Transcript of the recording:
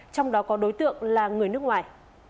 trong đó có đối tượng là người nước ngoài